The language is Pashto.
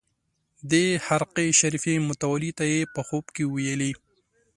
د خرقې شریفې متولي ته یې په خوب کې ویلي.